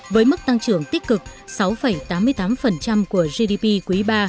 với mức tăng trưởng tích cực sáu tám mươi tám của gdp quý ba